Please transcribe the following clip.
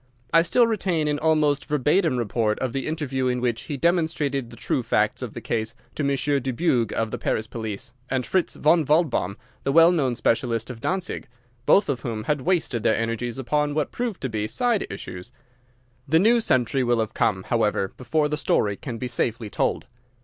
I still retain an almost verbatim report of the interview in which he demonstrated the true facts of the case to Monsieur Dubuque of the Paris police, and Fritz von Waldbaum, the well known specialist of Dantzig, both of whom had wasted their energies upon what proved to be side issues. The new century will have come, however, before the story can be safely told.